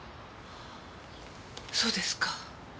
そうですか。